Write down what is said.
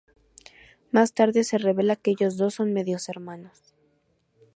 Más tarde se revela que ellos dos son medios hermanos.